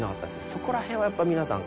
そこら辺はやっぱ皆さん